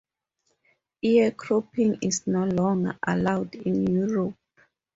Ear cropping is no longer allowed in Europe.